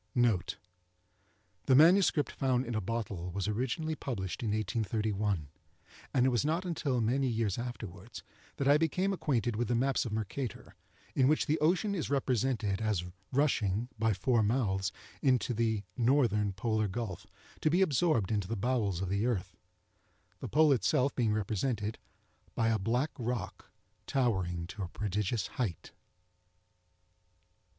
NOTE.—The "MS. Found in a Bottle," was originally published in 1831, and it was not until many years afterwards that I became acquainted with the maps of Mercator, in which the ocean is represented as rushing, by four mouths, into the (northern) Polar Gulf, to be absorbed into the bowels of the earth; the Pole itself being represented by a black rock, towering to a prodigious height.